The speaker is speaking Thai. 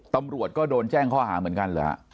ตำรวจก็โดนแจ้งข้อหาเหมือนกันเหรอฮะ